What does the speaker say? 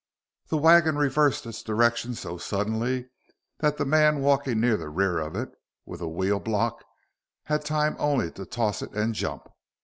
The wagon reversed its direction so suddenly that the man walking near the rear of it with a wheel block had time only to toss it and jump.